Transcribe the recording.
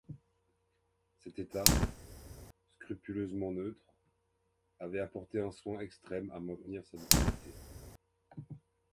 Cet État, scrupuleusement neutre, avait apporté un soin extrême à maintenir sa neutralité.